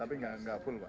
tapi enggak full pak